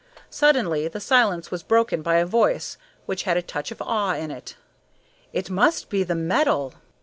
Suddenly the silence was broken by a voice which had a touch of awe in it: "It must be the metal!"